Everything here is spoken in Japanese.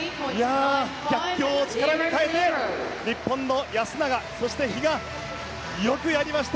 逆境を力に変えて日本の安永、そして比嘉よくやりました。